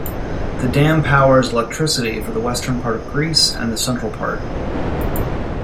The dam powers electricity for the western part of Greece and the central part.